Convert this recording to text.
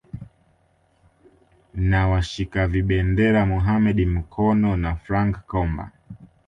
na washika vibendera Mohamed Mkono na Frank Komba